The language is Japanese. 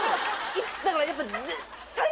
だからやっぱ最初。